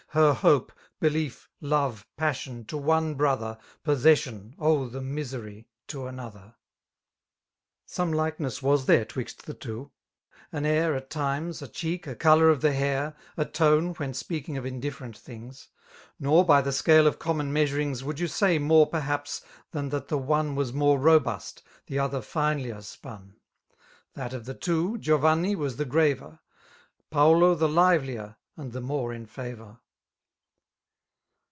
Her hope, bdief, love, passion, to one brother. Possession (oh^ the misery!) to another ! Some likeness was there 'twixt tiie iwo»* ^Km air At times, a cheek, a colour of the hairy A tone^ when speaking of indifferent things^ Nor, by the scale of common meaaurings. ..jtt ,*.. J 45 Would yoa flay mote pefliap«> tlMtn ^iiit4he «fiae Was more rolni8t> t^e other finelier 8|Htn ^'^ That of Hie two^ Gioranni was the graver» Faido the lirdier, and the more in favour.